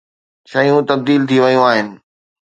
شيون تبديل ٿي ويون آهن.